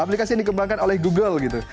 aplikasi yang dikembangkan oleh google gitu